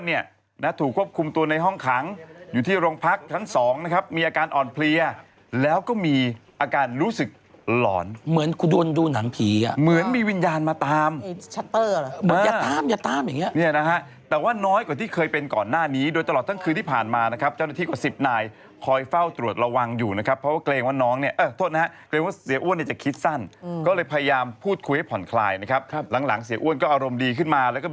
มีวิญญาณมาตามอย่าตามอย่างเงี้ยนะฮะแต่ว่าน้อยกว่าที่เคยเป็นก่อนหน้านี้โดยตลอดทั้งคืนที่ผ่านมานะครับเจ้าหน้าที่กว่าสิบนายคอยเฝ้าตรวจระวังอยู่นะครับเพราะว่าเกรงว่าน้องเนี่ยเออโทษนะฮะเกรงว่าเสียอ้วนเนี่ยจะคิดสั้นก็เลยพยายามพูดคุยให้ผ่อนคลายนะครับหลังเสียอ้วนก็อารมณ์ดีขึ้นมาแล้